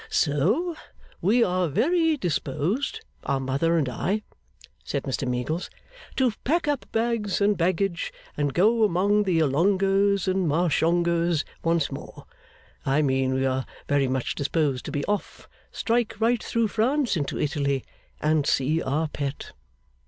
'So we are very much disposed, are Mother and I,' said Mr Meagles, 'to pack up bags and baggage and go among the Allongers and Marshongers once more. I mean, we are very much disposed to be off, strike right through France into Italy, and see our Pet.